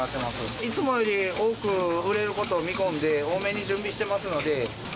いつもより多く売れることを見込んで、多めに準備してますので。